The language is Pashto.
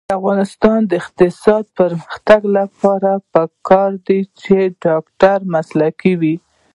د افغانستان د اقتصادي پرمختګ لپاره پکار ده چې ډاکټر مسلکي وي.